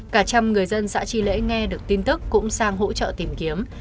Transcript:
cả trăm người dân xã tri lễ nghe được tin tức cũng sang hỗ trợ tìm kiếm